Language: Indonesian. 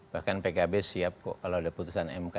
bahkan pkb siap kok kalau ada putusan mk